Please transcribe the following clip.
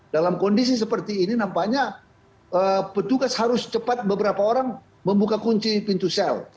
dalam kondisi seperti ini nampaknya petugas harus cepat beberapa orang membuka kunci pintu sel